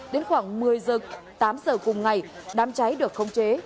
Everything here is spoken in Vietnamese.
đến khoảng một mươi giờ tám giờ cùng ngày đám cháy được khống chế